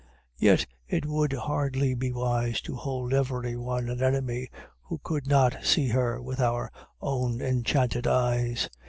Yet it would hardly be wise to hold everyone an enemy who could not see her with our own enchanted eyes.